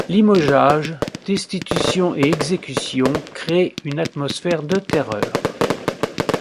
Limogeages, destitutions et exécutions créent une atmosphère de terreur.